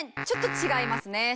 ちょっと違いますね。